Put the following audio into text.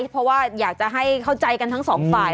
เพราะว่าอยากจะให้เข้าใจกันทั้งสองฝ่าย